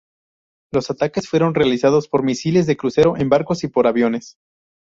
Los ataques fueron realizados por misiles de crucero en barcos y por aviones.